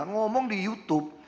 ngomong di youtube